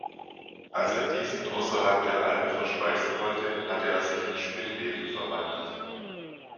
Als er diesen außerhalb der Alm verspeisen wollte, hatte er sich in Spinnweben verwandelt.